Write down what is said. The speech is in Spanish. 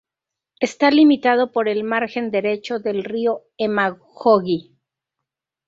Está limitado por el margen derecho del río Emajõgi.